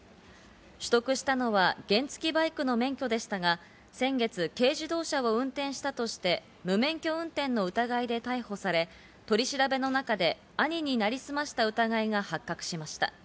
取得したのは原付バイクの免許でしたが、先月軽自動車を運転したとして無免許運転の疑いで逮捕され、取り調べの中で兄に成り済ました疑いが発覚しました。